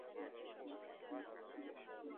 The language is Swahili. Usiye na mwisho kaa nami